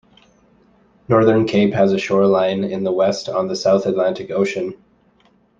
Northern Cape has a shoreline in the west on the South Atlantic Ocean.